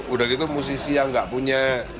udah gitu musisi yang gak punya